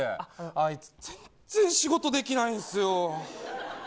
あいつ全然仕事できないんですよ。